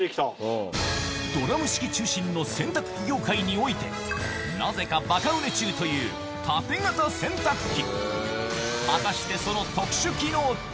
ドラム式中心の洗濯機業界においてなぜかばか売れ中という縦型洗濯機